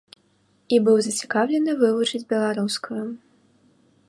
І быў зацікаўлены вывучыць беларускую.